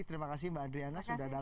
terima kasih mbak adriana sudah datang